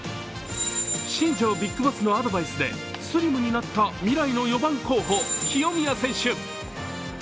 新庄ビッグボスのアドバイスでスリムになった未来の４番候補清宮選手。